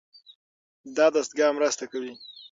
دا دستګاه مرسته کوي.